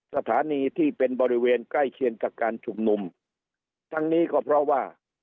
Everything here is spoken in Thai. สถานีที่เป็นบริเวณใกล้เคียงกับการชุมนุมทั้งนี้ก็เพราะว่า